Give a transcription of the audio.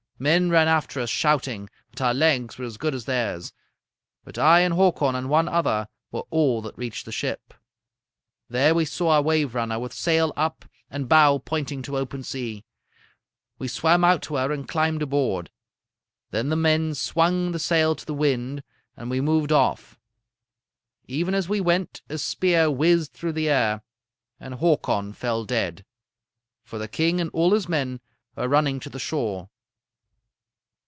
Men ran after us shouting, but our legs were as good as theirs. But I and Hakon and one other were all that reached the ship. There we saw our 'Waverunner' with sail up and bow pointing to open sea. We swam out to her and climbed aboard. Then the men swung the sail to the wind, and we moved off. Even as we went, a spear whizzed through the air, and Hakon fell dead; for the king and all his men were running to the shore.